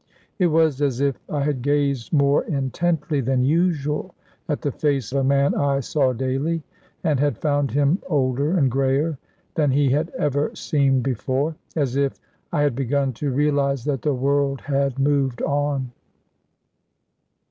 It was as if I had gazed more intently than usual at the face of a man I saw daily, and had found him older and greyer than he had ever seemed before as if I had begun to realise that the world had moved on.